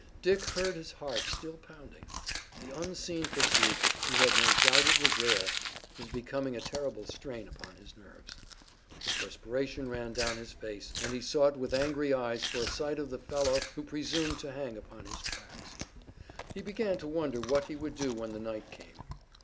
Dick heard his heart still pounding. The unseen pursuit he had no doubt it was there was becoming a terrible strain upon his nerves. The perspiration ran down his face, and he sought with angry eyes for a sight of the fellow who presumed to hang upon his tracks. He began to wonder what he would do when the night came.